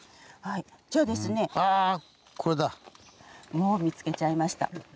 もう見つけちゃいました。